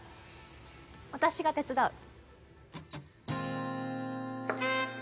私が手伝う。